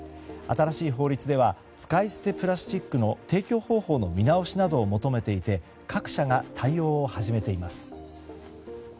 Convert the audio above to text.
新しい法律では使い捨てプラスチックの提供方法の見直しなどを求めていて各社が対応を始めています。